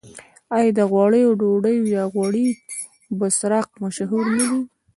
آیا د غوړیو ډوډۍ یا غوړي بسراق مشهور نه دي؟